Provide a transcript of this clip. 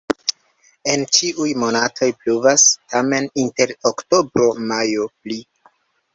En ĉiuj monatoj pluvas, tamen inter oktobro-majo pli.